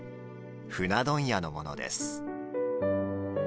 船問屋のものです。